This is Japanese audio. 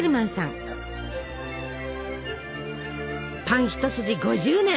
パン一筋５０年！